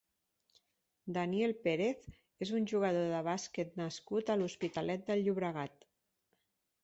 Daniel Pérez és un jugador de bàsquet nascut a l'Hospitalet de Llobregat.